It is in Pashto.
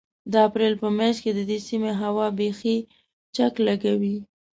د اپرېل په مياشت کې د دې سيمې هوا بيخي چک لګوي.